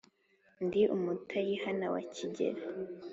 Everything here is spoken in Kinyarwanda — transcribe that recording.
Ndi umutayihana wa Kigeli.